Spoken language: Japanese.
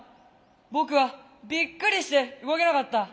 僕はびっくりして動けなかった。